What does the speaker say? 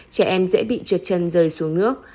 trẻ em dễ bị trượt chân rơi xuống nước